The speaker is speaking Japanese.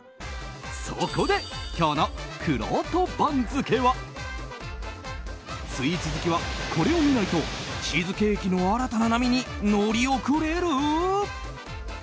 そこで、今日のくろうと番付はスイーツ好きはこれを見ないとチーズケーキの新たな波に乗り遅れる？